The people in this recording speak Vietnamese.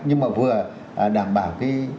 nhưng mà vừa đảm bảo